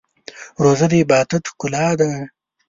روژه د عبادت ښکلا ده.